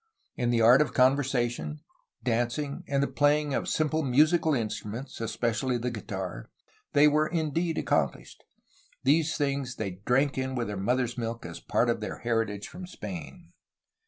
^' In the arts of conversa tion, dancing, and the playing of simple musical instruments, especially the guitar, they were indeed accomplished. These things they drank in with their mother's milk as part of their heritage from Spain.